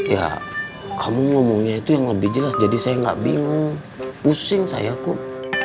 ya kamu ngomongnya itu yang lebih jelas jadi saya nggak bingung pusing saya kok